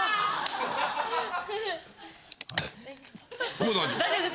もう大丈夫。